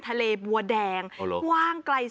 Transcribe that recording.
แก้ปัญหาผมร่วงล้านบาท